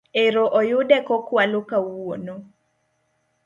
Ero oyude kokwalo kawuono